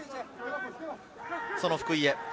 その福井へ。